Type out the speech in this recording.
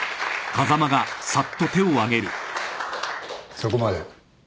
そこまで。